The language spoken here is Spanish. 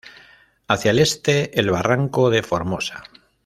Hacia el este el Barranco de Formosa.